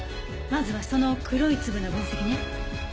まずはその黒い粒の分析ね。